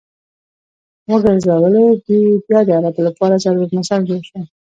ورګرځولې!! دوی بيا د عربو لپاره ضرب المثل جوړ شو